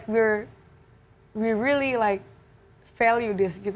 kita benar benar mempercayai ini